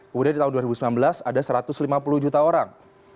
kemudian di tahun dua ribu sembilan belas ada satu ratus lima puluh juta orang